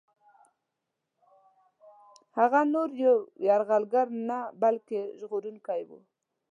هغه نور یو یرغلګر نه بلکه ژغورونکی وو.